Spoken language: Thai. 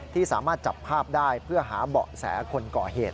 ที่สามารถจับภาพได้เพื่อหาเบาะแสคนก่อเหตุ